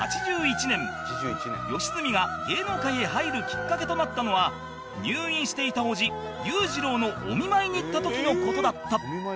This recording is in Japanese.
良純が芸能界へ入るきっかけとなったのは入院していた叔父裕次郎のお見舞いに行った時の事だった